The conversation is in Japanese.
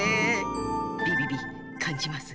ビビビかんじます。